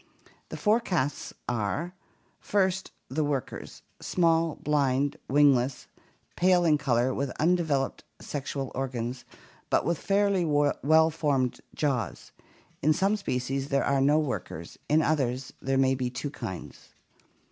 The four castes are: First, the workers: small, blind, wingless, pale in color, with undevel oped sexual organs, but with fairly well formed jaws. In some species there are no workers, in others there may be two kinds.